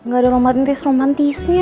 gak ada romantis romantisnya